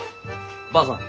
ばあさん